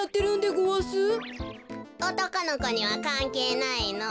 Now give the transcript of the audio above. おとこのこにはかんけいないの。